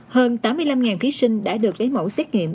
hơn tám mươi năm thí sinh đã được lấy mẫu xét nghiệm